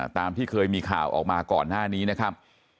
ตามที่เคยมีข่าวออกมาก่อนหน้านี้นะครับ